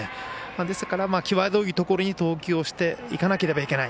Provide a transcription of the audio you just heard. ですから、際どいところに投球をしていかなければいけない。